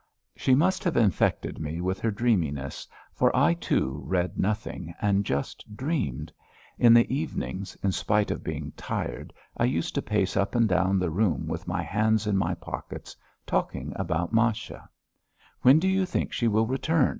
She must have infected me with her dreaminess, for I, too, read nothing and just dreamed. In the evenings, in spite of being tired, I used to pace up and down the room with my hands in my pockets, talking about Masha. "When do you think she will return?"